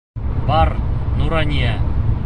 Бар, Нурания!